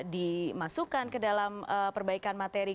dimasukkan ke dalam perbaikan materi